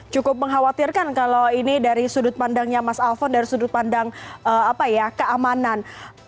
cukup mengkhawatirkan kalau ini dari sudut pandangnya mas alfon dari sudut pandang keamanan